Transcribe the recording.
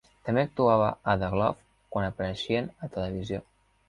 També actuava amb "The Glove" quan apareixien a televisió.